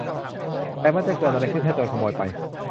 แต่มันจะเกิดอะไรขึ้นถ้าโจรขโมยไป